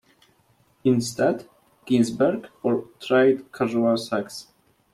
Instead, Ginsberg portrayed casual sex.